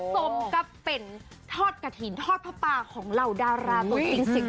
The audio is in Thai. จงก็เป็นถอดพระป่าของเหล่าดารากตัวนี้